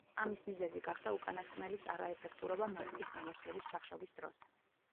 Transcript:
ამის მიზეზი გახდა უკანასკნელის არაეფექტურობა მარტის გამოსვლების ჩახშობის დროს.